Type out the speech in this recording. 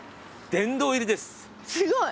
すごい。